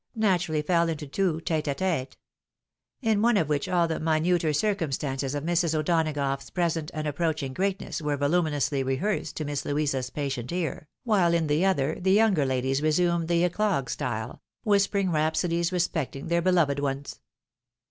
naturally fell into two tetes a tete ; in one of wMch all the minuter circumstances of Mrs. O'Donagough's present and approaching greatness were voluminously rehearsed to Miss Louisa's patient ear, while in the other, the younger ladies resumed the eclogue style, whis pering rhapsodies respecting their beloved ones.